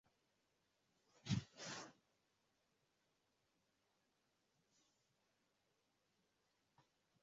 fedha inatakiwa kutumika kwa kipindi cha miezi minne